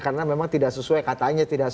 karena memang tidak sesuai katanya